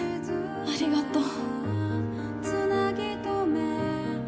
ありがとう